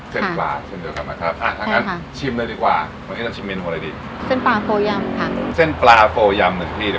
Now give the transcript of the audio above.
เซ่นปลาโฟยำพี่เดี๋ยวมานั่งรอนะครับผม